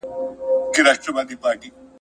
دېوال نم زړوي خو انسان غم زړوي ..